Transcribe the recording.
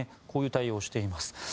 こういう対応をしています。